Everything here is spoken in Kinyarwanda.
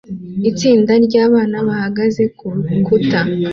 Itsinda ryabana bahagaze kurukuta